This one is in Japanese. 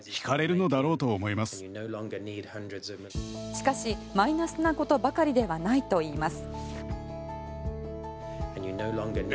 しかしマイナスなことばかりではないといいます。